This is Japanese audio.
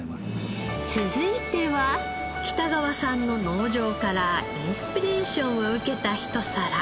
続いては北川さんの農場からインスピレーションを受けたひと皿。